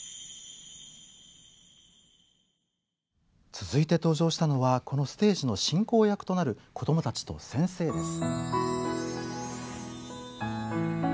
続いて登場したのはこのステージの進行役となる子供たちと先生です。